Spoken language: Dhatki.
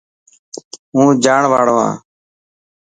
هون جاڻ واڙو هان.